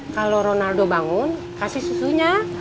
kalau ronaldo bangun kasih susunya